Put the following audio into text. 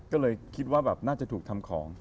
ก็เลยคิดว่าแบบน่าจะถูกทำของ